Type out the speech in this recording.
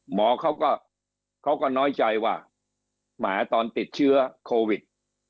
หมอเขาก็น้อยใจว่าแหมตอนติดเชื้อโควิด